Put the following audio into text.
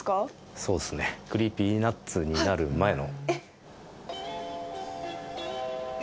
そうですね ＣｒｅｅｐｙＮｕｔｓ になる前の。